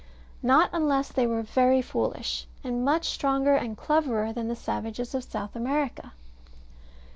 Not unless they were very foolish. And much stronger and cleverer than the savages of South America.